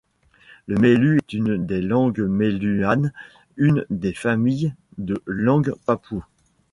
Le mailu est une des langues mailuanes, une des familles de langues papoues.